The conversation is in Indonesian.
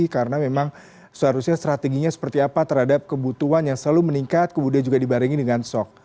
karena memang seharusnya strateginya seperti apa terhadap kebutuhan yang selalu meningkat kemudian juga dibaringin dengan sok